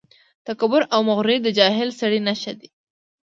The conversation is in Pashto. تکبر او مغروري د جاهل سړي نښې دي.